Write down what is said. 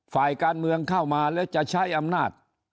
ฝ่ายการเมืองเข้ามาแล้วจะใช้อำนาจ